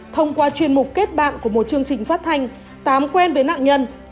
thông qua chuyên mục kết bạn của một chương trình phát thanh tám quen với nạn nhân